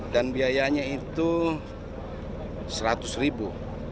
dan biayanya itu seratus ribu